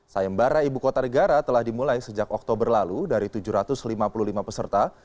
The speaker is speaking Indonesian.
sayembara ibu kota negara telah dimulai sejak oktober lalu dari tujuh ratus lima puluh lima peserta